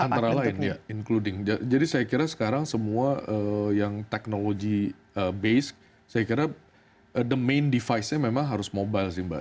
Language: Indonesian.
antara lain ya including jadi saya kira sekarang semua yang technology base saya kira the main device nya memang harus mobile sih mbak